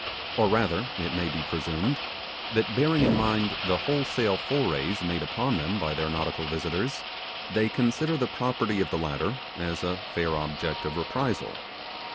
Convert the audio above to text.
Or rather, it may be presumed, that bearing in mind the wholesale forays made upon them by their nautical visitors, they consider the property of the latter as a fair object of reprisal.